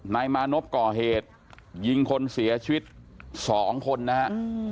นายมานพก่อเหตุยิงคนเสียชีวิต๒คนนะฮะ